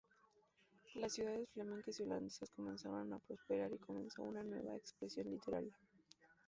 Las ciudades flamencas y holandesas comenzaron a prosperar y comenzó una nueva expresión literaria.